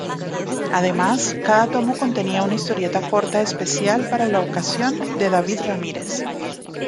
Además, cada tomo contenía una historieta corta especial para la ocasión de David Ramírez.